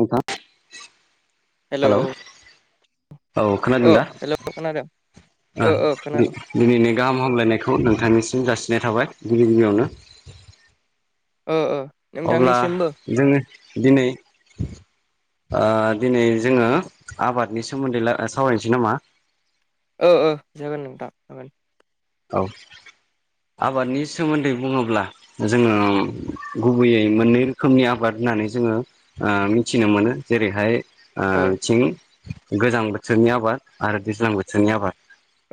नोंथां हेलौ औ ओ खोनादों दा हेलौ खोनादों ओ ओ खोनादों दिनैनि गाहाम हामलायनायखौ नोंथांनिसिम जासि नाय थाबाय गिबि गिबियावनो ओ ओ अब्ला नोंथांनिसिमबो जोङो दिनै आ दिनै जोङो आबादनि सोमोनदै सावरायनोसै नामा? ओ ओ जागोन नोंथां जागोन औ आबादनि सोमोनदै बुङोब्ला जोङो गुबैयै मोननै रोखोमनि आबाद होननानै जोङो मिथिनो मोनो जेरैहाय ओ औ थिं गोजां बोथोरनि आबाद आरो दैज्लां बोथोरनि आबाद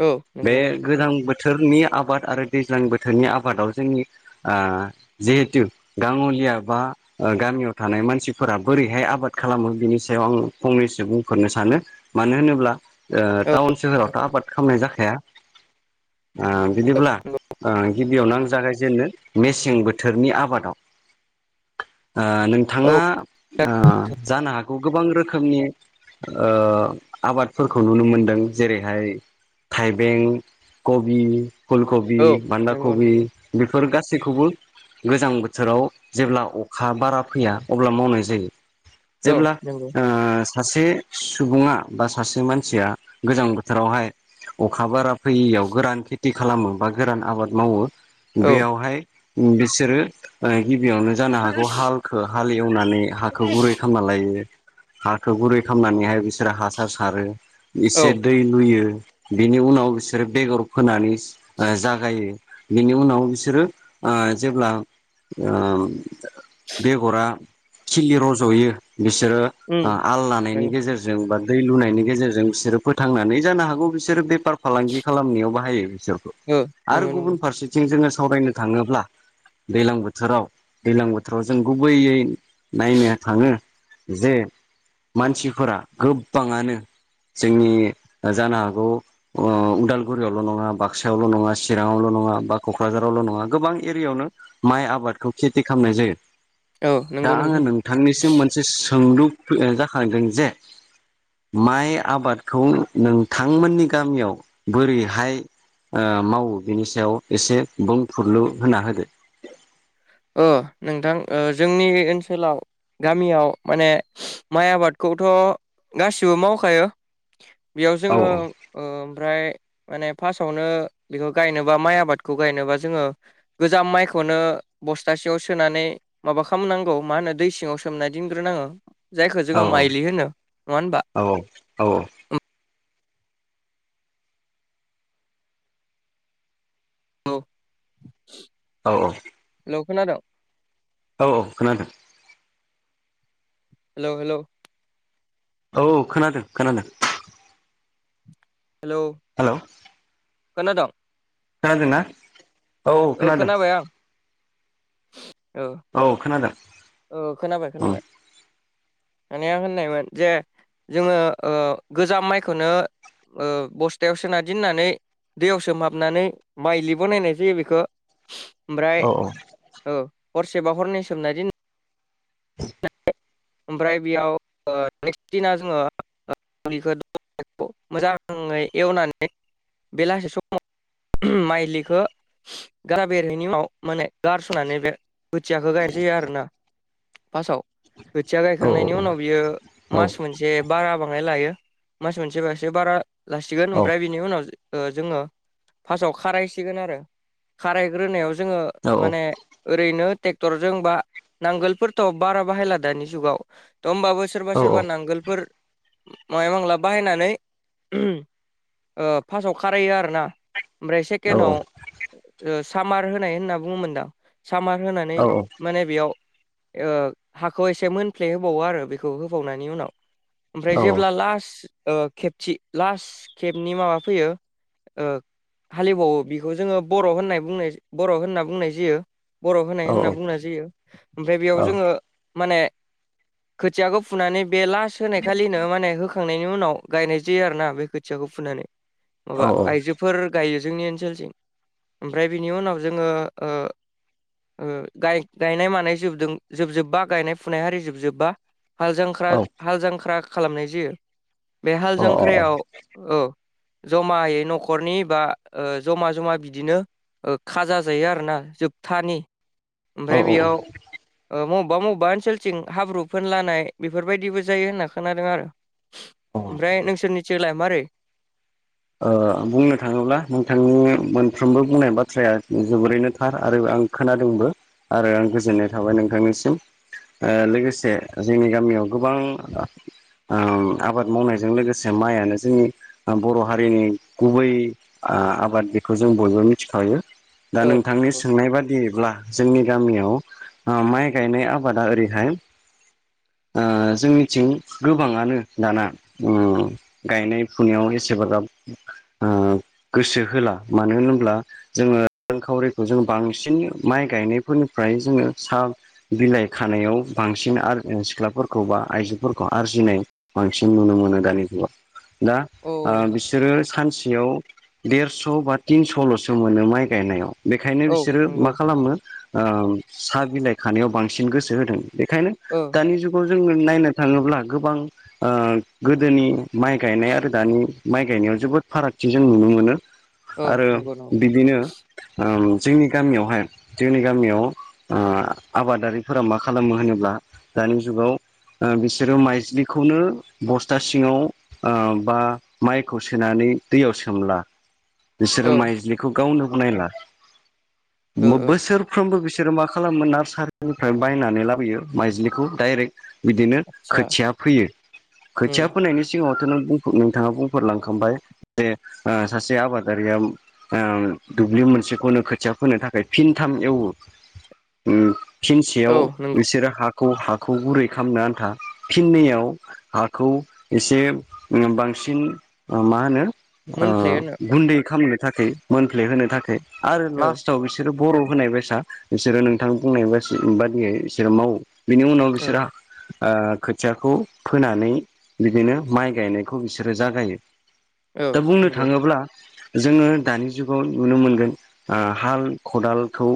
औ बे नंगौ नंगौ गोजां बोथोरनि आबाद आरो दैज्लां बोथोरनि आबादाव जोंनि आ जिहेथु गा लिया बा गामियाव थानाय मानसिफोरा बोरैहाय आबाद खालामो बिनि सायाव आं फंनैसो बुंफोर नो सानो मानो होनोब्ला ओ औ टाउन सोहोरावथ' आबाद खालामनाय जाखाया आ बिदिब्ला आ गिबियावनो आं जागायजेननो मेसें बोथोरनि आबादाव ओ औ नोंथाङा ओ जानो हागौ गोबां रोखोमनि ओ आबादफोरखौ नुनो मोनदों जेरैहाय थाइबें कबि फुल कबि औ औ बानदा नंगौ कबि नंगौ बेफोर गासैखौबो गोजां बोथोराव जेब्ला अखा बारा फैया अब्ला मावनाय जायो औ जेब्ला नंगौ ओ सासे सुबुङा बा सासे मानसिया गोजां बोथोरावहाय अखा बारा फैयियाव गोरान खेथि खालामो बा गोरान आबाद मावो औ बेयावहाय बिसोरो गिबियावनो जानो हागौ हालखौ हाललि एवनानै हाखौ गुरै खालामना लायो हाखौ गुरै खालामनानैहाय बिसोरो हासार सारो औ एसे दै लुयो बेनि उनाव बिसोरो बेगर होनानै जागायो बिनि उनाव बिसोरो ओ जेब्ला ओ बेगरा खिलि रज'यो बिसोरो उम आल लानायनि नंगौ गेजेरजों बा दै लुनायनि गेजेरजों बिसोरो फोथांनानै जानो हागौ बिसोरो बेफार फालांगि खालामनायाव बा हायो बिसोरखौ आरो नंगौ गुबुन नंगौ फारसेथिं जोङो सावरायनो थाङोब्ला दैलां बोथोराव दैज्लां बोथोराव जों गुबैयै नायनो थाङो जे मानसिफोरा गोबाङानो जोंनि जानो हागौ उदालगुरियाव ल' नङा बागसायावल' नङा चिराङावल' नङा बा क'क्राझारावल' नङा गोबां एरियायावनो माइ आबादखौ खेथि खालामनाय जायो औ दा नंगौ आङो नंगौ नोंथांनिसिम मोनसे सोंलु जाखांदों जे माइ आबादखौ नोंथांमोननि गामियाव बोरै हाय ओ मावो बिनि सायाव एसे बुंफोरलु होना होदो। ओ नोंथां जोंनि ओनसोलाव गामियाव माने माइ आबाद खौथ' गासिबो मावखायो बेयाव औ जोङो ओ ओमफ्राय माने फास्टआवनो बेखौ गायनोबा माइ आबादखौ गायनोबा जोङो गोजाम माइखौनो बस्थासेयाव सोनानै माबा खालामनांगौ मा होनो दै सिङाव सोमना दोनग्रोनाङो जायखौ औ जोङो माइलि होनो नङा होनबा औ औ औ औ औ खोनादोंं औ औ खोनादों हेल' हेल' औ औ खोनादों खोनादों हेलौ खोनादोंं खोनादोंना औ औ खोनादों खोनाबाय आं ओ औ खोनादों ओ खोनाबाय उम खोनाबाय। माने आं होननायमोन जे जोङो ओ गोजाम माइखौनो ओ बस्थायाव सोना दोननानै दैयाव सोमहाबनानै माइलि बनायनाय जायो बेखौ [inaudible] ओमफ्राय औ हरसेबा हरनै सोमना दिन [inaudible] ओमफ्राय बेयाव ओ नेक्स्ट दिना जोङो [unintelligible] खौ मोजाङै एवनानै बेलासि समाव माइलिखौ गाजा बेरैनि उनाव माने गारस'नानै बे खोथियाखौ गाय जाया आरो ना फार्स्टआव खोथिया औ गायखांनायनि उनाव बियो मास मोनसे बारा बाङाय लायो। मास मोनसेबासो बारा लासिगोन औ ओमफ्राय बिनि उनाव ओ जोङो फासाव खारायसिगोन आरो। खारायग्रोनायाव जोङो माने ओरैनो टेक्टर जों बा नांगोलफोरथ' बारा बाहायला दानि जुगाव थ' होमबाबो सोरबा औ सोरबा नांगोलफोर माय मांला बाहायनानै [unintelligible] ओ फासआव खारायो आरोना। ओमफ्राय सेकेनाव ओ सामार होनाय होनना बुङोमोनदां। सामार होनानै माने बेयाव ओ हाखौ एस से मोनफ्ले होबावो आरो बेखौ होबावनायनि उनाव ओमफ्राय जेब्ला लास ओ खेबथि लास खेबनि माबा फैयो ओ हालेबावो बेखौ जोङो बर' होननाय बुंनाय बर' होनना बुंनाय जायो। बर' होनाय होनना बुंनाय जायो। ओमफ्राय बेयाव जोङो माने [inaudible] खोथियाखौ फुनानै बे लास होनाय खालिनो माने होखांनायनि उनाव गायनाय जायो आरो ना बे खोथियाखौ फु नानै माबा आइजोफोर गायो जोंनि ओनसोलथिं। ओमफ्राय बिनि उनाव जोङो ओ ओ गाय-गायनाय मानाय जोबदों जोबजोब्बा गायनाय फुनाय हारि जोबजोब्बा हाल जांख्रा हाल जांख्रा खालामनाय जायो। बे हाल जांख्रायाव औ जमायै न'खरनि बा ओ जमा जमा बिदिनो ओ खाजा जायो आरोना जोबथानि। औ ओमफ्राय बेयाव ओ मब्बा मब्बा ओन सोलथिं हाब्रु फोनलानाय बेफोरबायदिबो जायो होनना खोनादों आरो। ओमफ्राय नोंसोरनिथिंलाय मारै? ओ बुंनो थाङोब्ला नोंथांनि मोनफ्रोमबो बुंनाय बाथ्राया जोबोरैनो थार आरो आं खोनादोंबो आरो आं गोजोननाय थाबाय नोंथांनिसिम। ओ लोगोसे जोंनि गामियाव गोबां आ आम आबाद मावनायजों लोगोसे माइय आनो जोंनि बर' हारिनि गुबै आबाद बेखौ जों बयबो मिथिखायो। दा औ नोंथांनि नंगौ सोंनाय बादिब्ला जोंनि गामियाव आ माइ गायनाय आबादा ओरैहाय ओ जोंनिथिं गोबाङानो दाना उम गायनाय फुनायाव एसेबागाब आ गोसो होला मानो होनोब्ला जोङो रांखावरिखौ जोङो बांसिन माइ गायनाय फोरनि फ्राय जोङो सा बिलाइ खानायाव बांसिन आर ओ सिख्लाफोरखौ बा आइजोफोरखौ आरजि नाय बांसिन नुनो मोनो दानि जुगाव। दा ओ औ बिस ओ सानसेयाव देरस' बा थिनस'ल'सो मोनो माइ गायनायाव। बेखायनो औ बिसोरो मा नंगौ खालामो ओ साहा बिलाइ खानायाव बांसिन गोसो होदों। बेखायनो ओ दानि जुगाव जोंनो नायनो थाङोब्ला गोबां ओ गोदोनि माइ गायनाय आरो दानि माइ गायनायाव जोबोद फारागथि जों नुनो मोनो ओ आरो नंगौ नंगौ बिदिनो ओम जोंनि गामियावहाय जोंनि गामियाव ओ आबादारिफोरा मा खालामो होनोब्ला दानि जुगाव ओ बिसोरो माइजलिखौनो बस्था सिङाव आ बा माइ खौ सोनानै दैयाव सोमला। औ बिसोरो माइज्लिखौ गावनो बनायला। ओ मो ओ बोसोरफ्रोमबो बिस बिसोरो मा खालामो नार्सारिनिफ्राय बायनानै लाबोयो माइजलिखौ डाइरेक्ट बिदिनो आतसा खोथिया फोयो। खोथिया उम फोनायनि सिगाङावथ' नों बुं नोंथाङा बुं फोर लांखांबाय। जे ओ सासे आबादारिया ओ दुब्लि मोनसेखौनो खोथिया फोनो थाखाय फिन था थाम एवो उम फिनसेयाव औ नंगौ बिसोरो हा खौ हाखौ गुरै खालामनो आन्था फिननैयाव हाखौ एसे उम बां सिन ओ मा होनो ओ मोनथिलाय होनो गुन्दै खामनो थाखै मोनफ्ले होनो थाखै आरो औ लास्टाव बिसोरो बर' होनाय बायसा बिसोरो नोंथां बुंनाय बासि बादियै बिसोरो मावो। बिनि उनाव औ बिसोरा ओ खोथियाखौ फोनानै बिदिनो माइ गायनायखौ बिसोरो जागायो। औ दा बुंनो नंगौ थाङोब्ला जोङो दानि जुगाव नुनो मोनगोन ओ हाल खदालखौ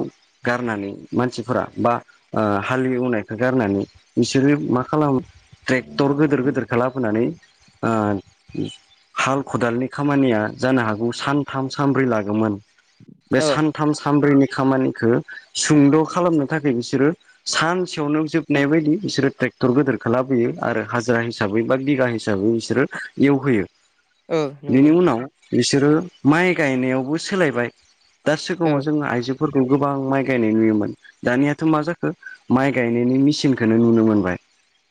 गारनानै मानस सिफोरा बा ओ हाल एवनायखो गारनानै बिसोरो मा खालामो ट्रेक्टर गोदोर गोदोरखो लाबोनानै ओ हाल खदालनि खामानिया जानो हागौ सानथाम सानब्रै लागोमोन। बे औ सानथाम सानब्रैनि खामानिखो सुंद' खालामनो थाखाय बिसोरो सानसेयावनो जोबनाय बायदि बिसोरो ट्रे टर गोदोरखो लाबोयो आरो हाजिरा हिसाबै बा बिगा हिसाबै बिसोरो एवहोयो। ओ बेनि नोंगौ। उनाव बिसोरो माइ गायनायावबो सोलायबाय। दा सोगाङाव औ जों आइजो फोरखौ गोबां माइ गायनाय नुयोमोन दानियाथ' मा जाखो माइ गायनायनि मेसिनखोनो नुनो मोनबाय।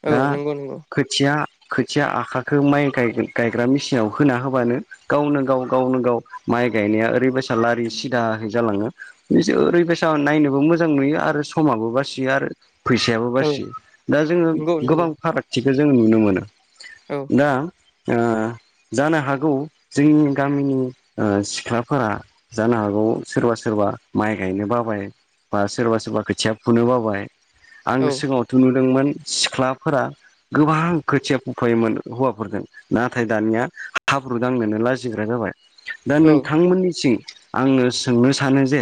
औ दा नंगौ नंगौ खोथिया खोथिया आखाखो माइ गायगोन गायग्रा मिसिनाव फोना होबानो गावनो गाव गावनो गाव माइ गायनाया ओरैबायसा लारि सिदाहै जालाङो बिजो ओरैबायसा नायनोबो मोजां नुयो आरो समाबो बासियो आरो। फैसायाबो औ बासियो दा जोङो नंगौ नंगौ गोबां फारागथिखो जोङो नुनो मोनो। औ दा ओ जानो हागौ जोंनि गामिनि ओ सिख्लाफोरा जानो हागौ सोरबा सोरबा माइ गायनो बाबाय बा सोरबा सोरबा खोथिया फुनो बाबाय आं औ सिगाङावथ' नु दोंमोन सिख्लाफोरा गोबां खोथिया बुफायोमोन हौवाफोरदों नाथाय दानिया हाब्रु दांनोनो लाजिग्रा जाबाय। दा औ नोंथां मोननिसिं आङो सोंनो सानो जे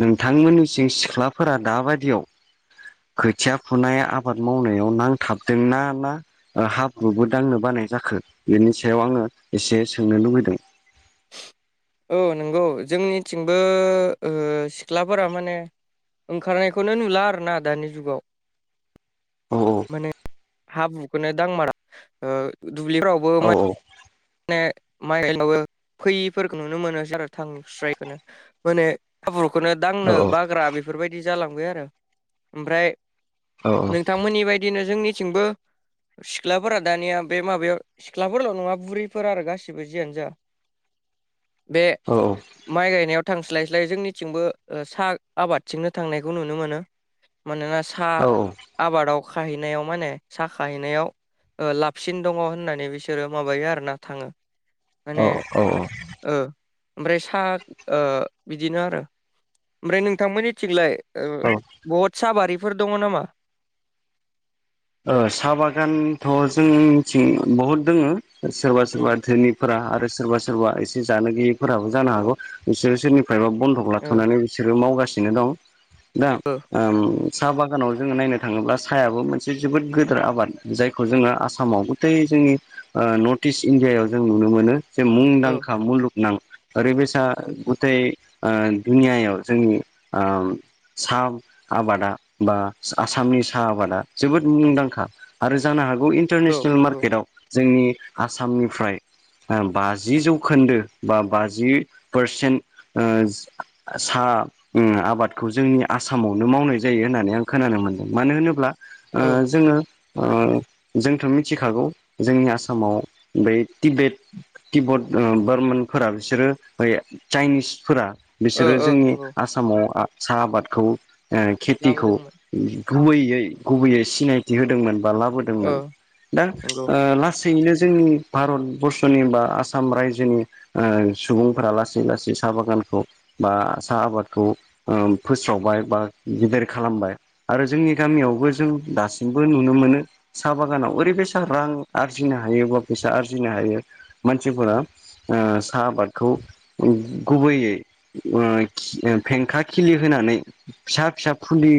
नोंथांमोननिसिं सिख्लाफोरा दाबादियाव खोथिया फुनाय आबाद मावनायाव नांथाबदोंना ना ओ हाब्रुबो दांनो बा नाय जाखो बेनि सायाव आङो एसे सोंनो लुगैदों। औ नोंगौ जोंनिथिंबो ओ सिख्लाफोरा माने ओंखारनायखौनो नुला आरोना दानि जुगाव। औ औ। हाब्रुखोनो दांमारा ओ दुब्लिफोरावबो माइ औ [unintelligible] फैयिफोरखो नुनो मोनोसै आरो थांस्रायै खोनो माने हाबु खौनो दांनो औ बाग्रा बेफोर बायदि जालांबाय आरो। ओमफ्राय औ नोंथांमोननि बायदिनो जोंनि थिंबो सिख्लाफोरा दानिया बे माबायाव सिख्लाफोरल' नङा बुरि फोर आरो गासिबो जियानो जा। बे औ माइ गायनायाव थांस्लाय स्लाय जोंनिथिंबो ओ सा आबादथिंनो थांनायखौ नुनो मोनो। मानोना सा आबादाव खाहैनायाव माने सा खाहैनायाव ओ लाबसिन दङ' होननानै बिसोरो माबायो आरोना थाङो माने औ औ ओ ओमफ्राय सा ओ बिदिनो आरो। ओमफ्राय नोंथांमोनि थिंलाय? ओ बहद साबारिफोर दङ' नामा? ओ सा बागानथ' जोंथिं बहद दोङो। सोरबा उम सोरबा धोनिफोरा आथ आरो सोरबा सोरबा एसे जानो गैयिफोराबो जानो हागौ बिसोर सोरनि फायबा बन्दक ओ लाथ'नानै बिसोरो मावगासिनो दं। दा उम साह बागानाव जोङो नायनो थाङोब्ला साहायाबो मोन से जोबोद गोदिर आबाद जायखौ जोङो आसामाव गथै जोंनि औ नर्थ इस्ट इण्डियायाव जों नुनो मोनो। जे ओ मुंदांखा मुलुग नां ओरैबायसा गुथै ओ दुनियायाव जोंनि ओ सा सा आबादा बा आसामनि साहा आबादा जोबोद मुंदांखा आरो जानो हागौ ओ इन्टारनेसनेल औ नंगौ मार्केटआव जोंनि आसामनिफ्राय ओ बाजि जौखोन्दो बा बाजि पारसेन्ट ओ साह आ उम आबादखौ जोंनि आसामावनो मावनाय जायो होननानै आं खोनानो मोनदों मानो होनोब्ला ओ ओ जोङो ओ जोंथ' मिथिखागौ जोंनि आसामाव बै तिबेत तिब्बत ओ बारमानफोरा बिसोरो बै चाइनिसफोरा ओ बिसोरो ओ जोंनि नंगौ आसामाव आ साहा आबादखौ ओ खेथिखौ लाबोदोंमोन गुबैयै गुबैयै सिनायथि होदोंमोन बा ओ लाबोदोंमोन दा नंगौ ओ ला सैनो जोंनि भारतबर्षनि बा आसाम रायजोनि ओ सुबुंफोरा लासै लासै साहा बागानखौ बा साहा आबादखौ फोस्रावबाय बा गेदेर खालामबाय। आरो जोंनि गामियावबो जों दासिमबो नुनो मोनो साहा बागानाव ओरैबायसा रां आरजिनो हायो बा फैसा आरजिनो हायो मानसिफोरा ओ साहा आबादखौ गुबैयै ओ खि फेंखा खिलि होना नै फिसा फिसा फुलि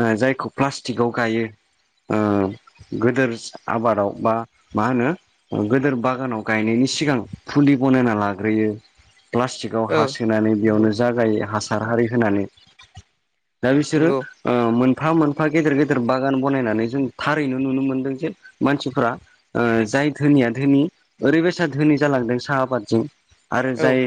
ओ जायखौ प्लासटिकआव गायो ओ गोदोर आबादाव बा मा होनो गोदोर बागानाव गायनायनि सिगां फुलि बनायना लाग्रोयो प्लास्टिकआव ओ हा सासोनानै नंगौ बेयावनो जागायो हासार हारि होनानै। दा बिसोरो नंगौ ओ मोनफा मोनफा गेदेर गे गेदिर बागान बनायनानै जों थारैनो नुनो मोनदों जे मानसिफ्रा ओ जाय धोनिया धोनि ओरैबायसा धोनि जालांदों साहा आबादजों आरो औ जाय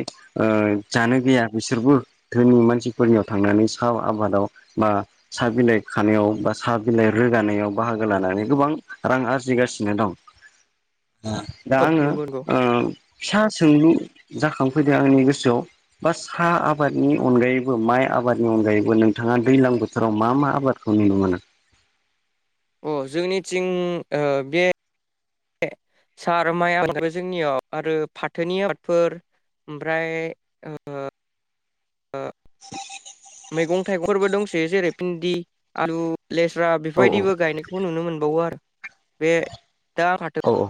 जानो गैया बिसोरबो धोनि मानसिफोरनियाव थांनानै सा आबादाव बा साहा बिलाइ खानायाव बा साहा बिलाइ रोगानायाव बाहागो लानानै गोबां रां आरजिगासिनो दं दा औ आङो नंगौ नंगौ ओ फिसा सोंलु जाखांफैदों आंनि गोसोआव बा साहा आबादनि अनगायैबो माइ आ आबादनि अनगायैबो नोंथाङा दैलां बोथोराव मा मा आबादखौ नुनो मोनो अ जोंनिथिं बे ए सार माइ आबो जोंनियाव आरो फाथोनि आबादफोर ओमफ्राय ओ ओ मैगं थाइगंफोरबो दंसोयो जेरै भिन्दि आलु लेस्रा औ बेफोरबायदिबो गायनायखौ नुनो मोन बावो आरो बे दा फाथो औ औ